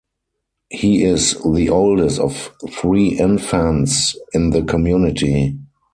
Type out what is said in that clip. He is the oldest of three infants in the community.